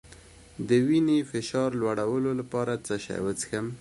د وینې فشار لوړولو لپاره څه شی وڅښم؟